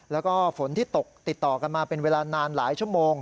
แล้วก็ฝนที่ตกติดต่อกันมาเป็นเวลานานหลายชั่วโมง